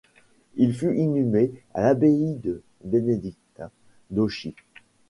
Il fut inhumé à l'abbaye de bénédictins d'Auchy.